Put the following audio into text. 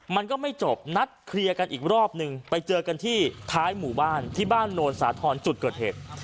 มันก็ไม่จบนัดเคลียร์กันอีกรอบนึงไปเจอกันที่ท้ายหมู่บ้านที่บ้านโนนสาธรณ์จุดเกิดเหตุ